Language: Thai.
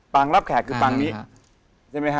ปางรับแขกคือปางนี้